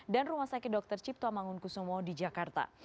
dan rumah sakit dr ciptoa mangun kusumo di jakarta